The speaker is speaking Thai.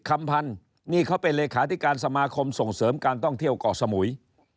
คำพันธ์นี่เขาเป็นเลขาธิการสมาคมส่งเสริมการท่องเที่ยวเกาะสมุย